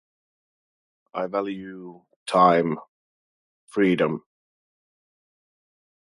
I value time, freedom.